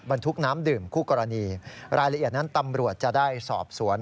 บรรทุกน้ำดื่มคู่กรณีรายละเอียดนั้นตำรวจจะได้สอบสวน